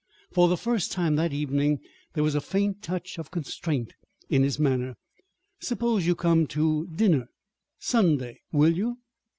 For the first time that evening there was a faint touch of constraint in his manner. "Suppose you come to dinner Sunday. Will you?"